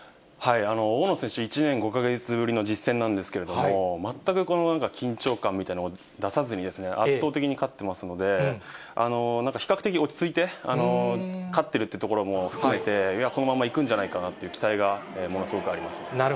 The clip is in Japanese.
大野選手、１年５か月ぶりの実戦なんですけれども、全く緊張感みたいなものを出さずに、圧倒的に勝ってますので、なんか比較的落ち着いて勝ってるというところも含めて、このままいくんじゃないかなという期待がものすごくあります。